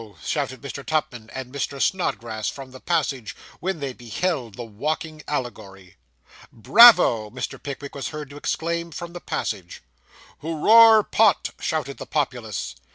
shouted Mr. Tupman and Mr. Snodgrass from the passage, when they beheld the walking allegory. 'Bravo!' Mr. Pickwick was heard to exclaim, from the passage. 'Hoo roar Pott!' shouted the populace.